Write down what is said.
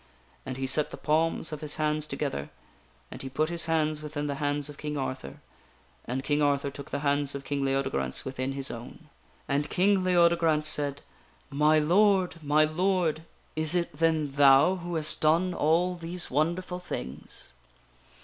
And he set the palms of his hands together and he put his hands within the hands of King Arthur, and King Arthur took the hands of King Leodegrance within his own. And King Leodegrance said :" My Lord ! My Lord ! Is it then thou who hast done all these wonderful things?"